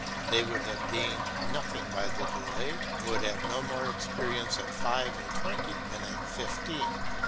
They would have gained nothing by the delay, and would have no more experience at five and twenty than at fifteen.